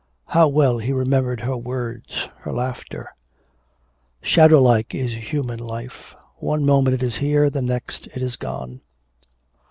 How well he remembered her words, her laughter! Shadow like is human life! one moment it is here, the next it is gone.